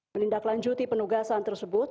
menindaklanjuti penugasan tersebut